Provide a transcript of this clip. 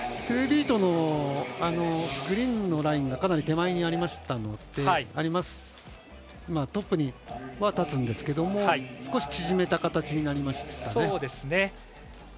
トゥービートのグリーンのラインがかなり手前にありましたのでトップには立つんですけど少し縮めた形になりましたね。